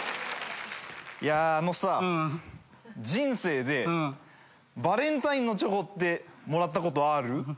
いやあのさ人生でバレンタインのチョコってもらったことある？